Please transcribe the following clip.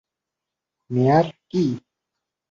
মেয়ার - কি?